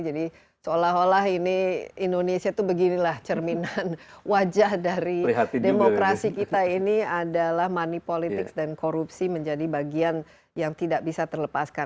jadi seolah olah ini indonesia tuh beginilah cerminan wajah dari demokrasi kita ini adalah money politics dan korupsi menjadi bagian yang tidak bisa terlepaskan